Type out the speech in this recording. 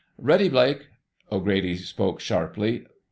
"Ready, Blake!" O'Grady spoke sharply.